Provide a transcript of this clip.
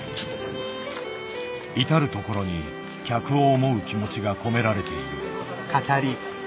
至る所に客を思う気持ちが込められている。